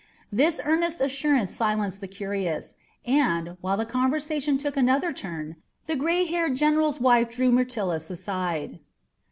This earnest assurance silenced the curious, and, while the conversation took another turn, the gray haired general's wife drew Myrtilus aside.